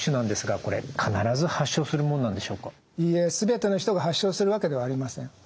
いいえ全ての人が発症するわけではありません。